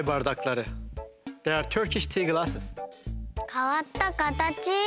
かわったかたち！